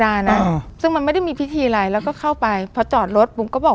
เขาบอกว่าไปได้พอเราไปปุ๊บอะค่ะ